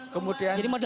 kemudian ini juga di